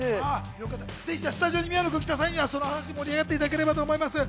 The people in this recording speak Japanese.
スタジオに宮野君が来た際にはその話で盛り上がっていただければと思います。